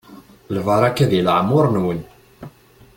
Lbaraka di leɛmur-nwen.